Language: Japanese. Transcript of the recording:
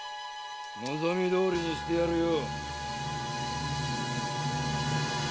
望みどおりにしてやるよ。